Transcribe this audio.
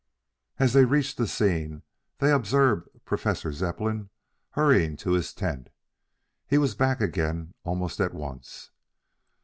As they reached the scene they observed Professor Zepplin hurrying to his tent. He was back again almost at once.